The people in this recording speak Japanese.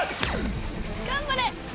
頑張れ！